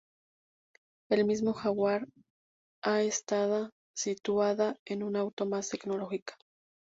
El mismo Jaguar ha estada sustituida con un auto más tecnológica.